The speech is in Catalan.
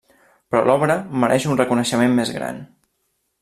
Però l'obra mereix un reconeixement més gran.